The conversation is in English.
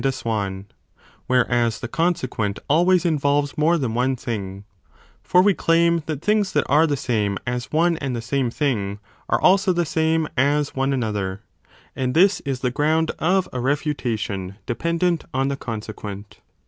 CHAPTER VI i68 b and swan), whereas the consequent always involves more than one thing : for we claim that things that are the same as one and the same thing are also the same as one another, and this is the ground of a refutation dependent on the consequent.